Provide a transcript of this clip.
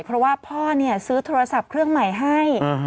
เพราะว่าพ่อซื้อโทรศัพท์เครื่องใหม่ให้